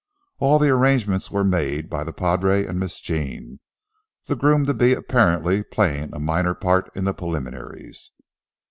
All the arrangements were made by the padre and Miss Jean, the groom to be apparently playing a minor part in the preliminaries.